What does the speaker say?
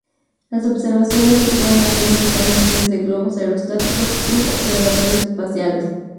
Las observaciones se pueden hacer únicamente desde globos aerostáticos u observatorios espaciales.